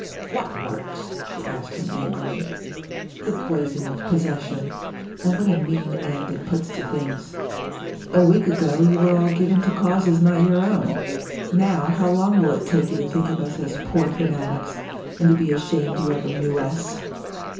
"What works?" she asked him angrily. "The poison of possession. And what a mean end it puts to things! A week ago you were all given to causes not your own; now, how long will it take you to think of us as 'poor fanatics!' and to be ashamed you ever knew us?"